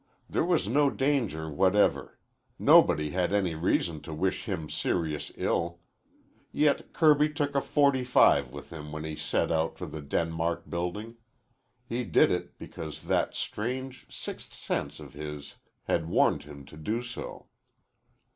There was no danger whatever. Nobody had any reason to wish him serious ill. Yet Kirby took a .45 with him when he set out for the Denmark Building. He did it because that strange sixth sense of his had warned him to do so.